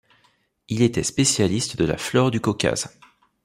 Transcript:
Il était spécialiste de la flore du Caucase.